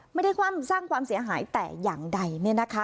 ไม่ได้สร้างความเสียหายแต่อย่างใดเนี่ยนะคะ